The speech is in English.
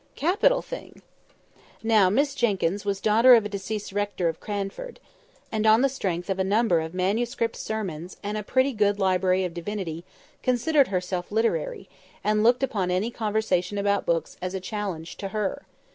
"Capital thing!" Now Miss Jenkyns was daughter of a deceased rector of Cranford; and, on the strength of a number of manuscript sermons, and a pretty good library of divinity, considered herself literary, and looked upon any conversation about books as a challenge to her.